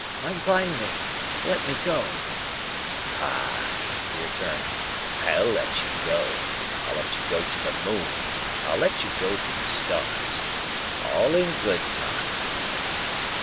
"Unbind me. Let me go!" "Ah!" he returned, "I'll let you go. I'll let you go to the moon, I'll let you go to the stars. All in good time."